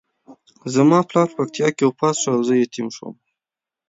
زما پلار په پکتیکا کې وفات شو او زه یتیم شوم.